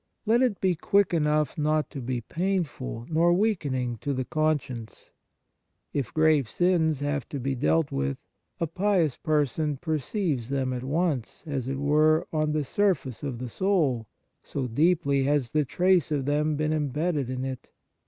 Let it be quick enough not to be painful nor weaken ing to the conscience. If grave sins have to be dealt with, a pious person perceives them at once, as it were, on 99 On the Exercises of Piety the surface of the soul, so deeply has the trace of them been embedded in it.